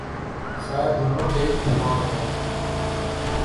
خیر دونوں کے اجتماع میں ہے۔